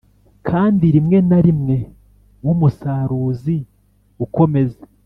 kandi rimwe na rimwe nk'umusaruzi ukomeza